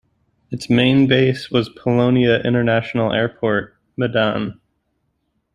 Its main base was Polonia International Airport, Medan.